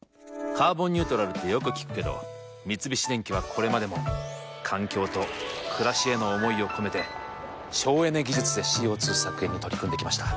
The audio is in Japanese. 「カーボンニュートラル」ってよく聞くけど三菱電機はこれまでも環境と暮らしへの思いを込めて省エネ技術でＣＯ２削減に取り組んできました。